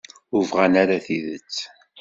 Ur bɣan ara tidet.